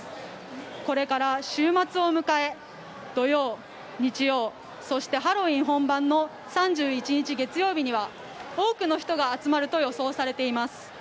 これから週末を迎え、土曜、日曜そしてハロウィーン本番の３１日月曜日には多くの人が集まると予想されています。